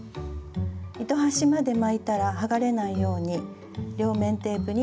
糸端まで巻いたらはがれないように両面テープにつけます。